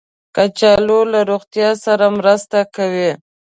کچالو له روغتیا سره مرسته کوي